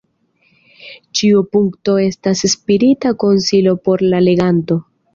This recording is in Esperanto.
Ĉiu punkto estas spirita konsilo por la leganto.